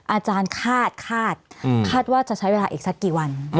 อาจารย์คาดคาดคาดว่าจะใช้เวลาอีกสักกี่วัน